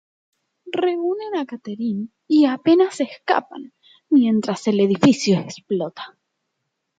Reúnen a Katherine y apenas escapan mientras el edificio explota.